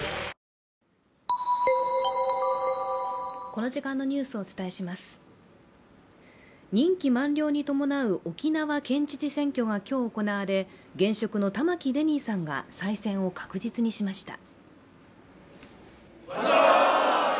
この時間のニュースをお伝えします任期満了に伴う沖縄県知事選挙がきょう行われ現職の玉城デニーさんが再選を確実にしました